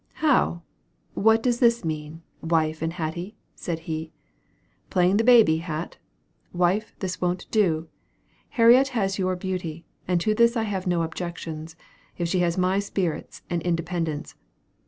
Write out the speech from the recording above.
"How? What does this mean, wife and Hatty?" said he. "Playing the baby, Hat? Wife, this won't do. Harriet has your beauty; and to this I have no objections, if she has my spirits and independence.